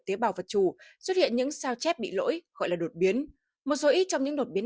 tế bào vật trù xuất hiện những sao chép bị lỗi gọi là đột biến một số ít trong những đột biến